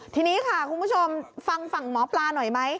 ทีนี้ค่ะคุณผู้ชมฟังฝั่งหมอปลาหน่อยไหม